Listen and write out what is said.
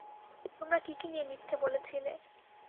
তোমরা কী কী নিয়ে মিথ্যে বলেছিলে।